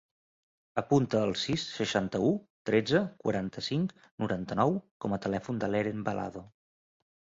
Apunta el sis, seixanta-u, tretze, quaranta-cinc, noranta-nou com a telèfon de l'Eren Balado.